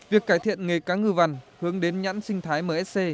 việc cải thiện nghề cá ngừ vằn hướng đến nhãn sinh thái msc